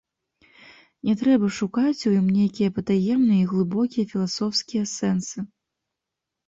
Не трэба шукаць у ім нейкія патаемныя і глыбокія філасофскія сэнсы.